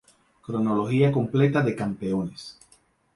Cronología completa de campeones